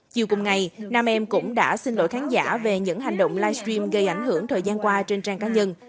chiều cùng ngày nam em cũng đã xin lỗi khán giả về những hành động livestream gây ảnh hưởng thời gian qua trên trang cá nhân